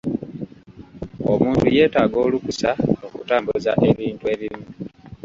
Omuntu yeetaaga olukusa okutambuza ebintu ebimu.